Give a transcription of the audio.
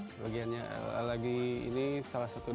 sebagiannya lagi ini salah satu